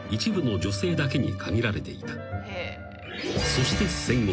［そして戦後。